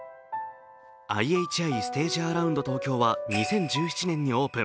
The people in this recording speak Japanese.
ＩＨＩステージアラウンド東京は２０１７年にオープン。